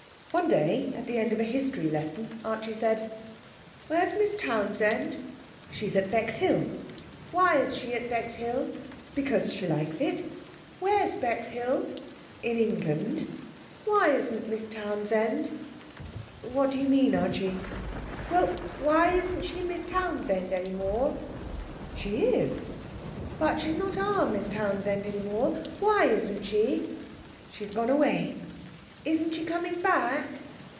One day, at the end of a history lesson, Archie said: 'Where's Miss Townsend?' 'She's at Bexhill.' 'Why is she at Bexhill?' 'Because she likes it.' 'Where's Bexhill?' 'In England.' 'Why isn't Miss Townsend?' 'What do you mean, Archie?' 'Well, why isn't she Miss Townsend any more?' 'She is.' 'But she's not our Miss Townsend any more. Why isn't she?' 'She's gone away.' 'Isn't she coming back?'